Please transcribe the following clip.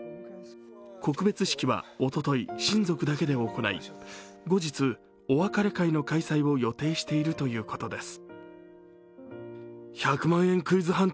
告別式はおととい親族だけで行い後日、お別れ会の開催を予定しているということです。